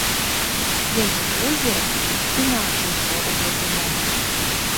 Яе позірк з'іначыўся ў гэты момант.